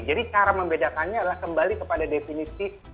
jadi cara membedakannya adalah kembali kepada definisi